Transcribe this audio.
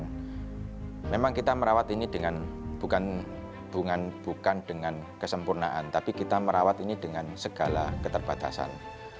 dan memang kita merawat ini dengan bukan bukan bukan dengan kesempurnaan tapi kita merawat ini dengan segala keterbatasan